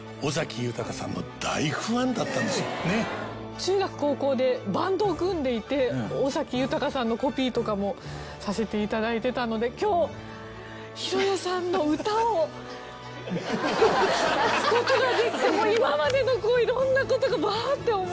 中学高校でバンドを組んでいて尾崎豊さんのコピーとかもさせて頂いてたので今日裕哉さんの歌を聴く事ができて今までのこう色んな事がバーッて思い出されてもう。